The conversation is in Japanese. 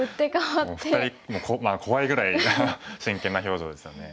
もう２人怖いぐらいな真剣な表情ですよね。